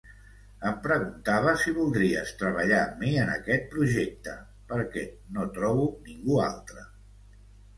Em preguntava si voldries treballar amb mi en aquest projecte, perquè no trobo ningú altre.